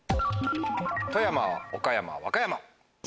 富山岡山和歌山！